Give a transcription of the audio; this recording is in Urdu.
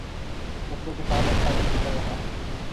بچوں کے ساتھ اچھا وقت گذار رہے ہیں